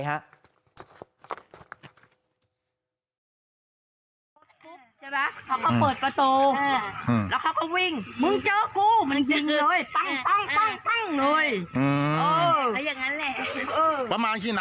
ใช่ปะเขาก็เปิดประตูแล้วเขาก็วิ่งมึงเจอกูมันยิงเลยตั้งตั้งตั้งตั้งเลย